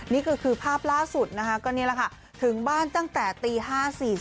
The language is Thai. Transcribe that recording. นี่ก็คือภาพล่าสุดนะคะก็นี่แหละค่ะถึงบ้านตั้งแต่ตี๕๔๔